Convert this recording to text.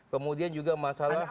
kemudian juga masalah